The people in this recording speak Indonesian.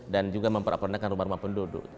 dan juga memperapornakan rumah rumah penduduk